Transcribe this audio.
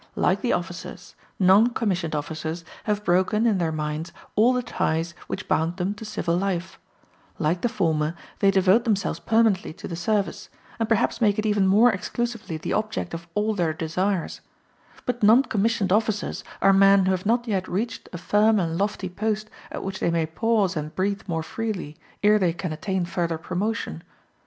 Like the officers, non commissioned officers have broken, in their minds, all the ties which bound them to civil life; like the former, they devote themselves permanently to the service, and perhaps make it even more exclusively the object of all their desires: but non commissioned officers are men who have not yet reached a firm and lofty post at which they may pause and breathe more freely, ere they can attain further promotion.